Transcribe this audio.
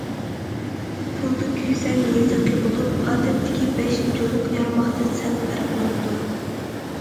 پۇلدا كۈسەن يېزىقى بولۇپ، ئادەتتىكى بەش جۇلۇق يارماقتىن سەل پەرقلىنىدۇ.